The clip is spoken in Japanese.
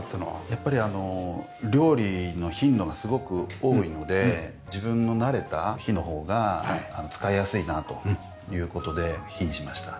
やっぱりあの料理の頻度がすごく多いので自分の慣れた火の方が使いやすいなという事で火にしました。